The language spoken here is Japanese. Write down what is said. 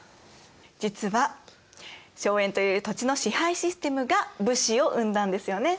実は荘園という土地の支配システムが武士を生んだんですよね先生？